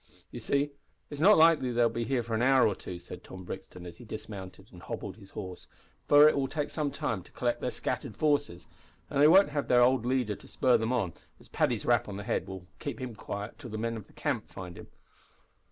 "You see, it's not likely they'll be here for an hour or two," said Tom Brixton, as he dismounted and hobbled his horse, "for it will take some time to collect their scattered forces, and they won't have their old leader to spur them on, as Paddy's rap on the head will keep him quiet till the men of the camp find him."